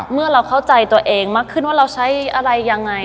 เมื่อเราเข้าใจตัวเองมากขึ้นว่าเราใช้อะไรยังไง